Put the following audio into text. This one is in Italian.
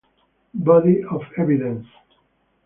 Body of Evidence